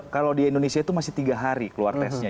kalau di indonesia itu masih tiga hari keluar tesnya